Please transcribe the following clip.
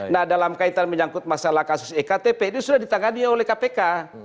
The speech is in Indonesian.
nah dalam kaitan menyangkut masalah kasus ektp ini sudah ditangani oleh kpk